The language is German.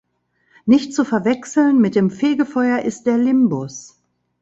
Nicht zu verwechseln mit dem Fegefeuer ist der Limbus.